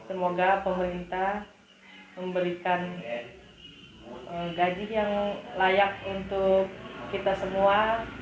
semoga pemerintah memberikan gaji yang layak untuk kita semua